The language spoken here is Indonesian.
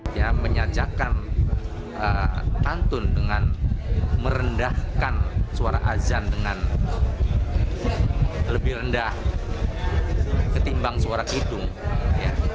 dia menyajakan pantun dengan merendahkan suara azan dengan lebih rendah ketimbang suara kidung ya